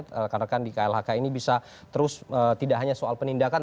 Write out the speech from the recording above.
rekan rekan di klhk ini bisa terus tidak hanya soal penindakan